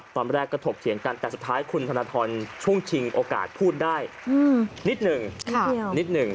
ตอนแรกก็ถกเถียงกันแต่สุดท้ายคุณธนทรช่วงชิงโอกาสพูดได้นิดหนึ่งนิดหนึ่ง